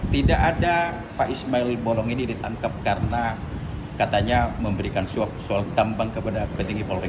tidak ada pak ismail bolong ini ditangkap karena katanya memberikan suap tambang kepada petinggi polri